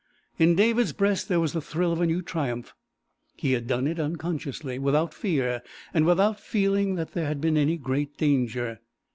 In David's breast there was the thrill of a new triumph. He had done it unconsciously, without fear, and without feeling that there had been any great danger.